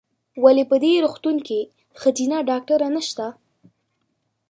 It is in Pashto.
ولې په دي روغتون کې ښځېنه ډاکټره نشته ؟